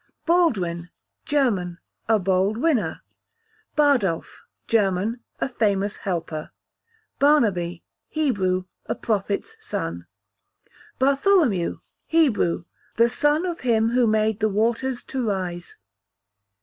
Baldwin, German, a bold winner. Bardulph, German, a famous helper. Barnaby, Hebrew, a prophet's son. Bartholomew, Hebrew, the son of him who made the waters to rise.